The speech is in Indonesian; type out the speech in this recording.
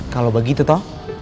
kalau begitu toh